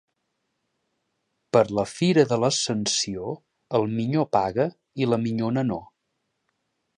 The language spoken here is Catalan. Per la fira de l'Ascensió, el minyó paga i la minyona no.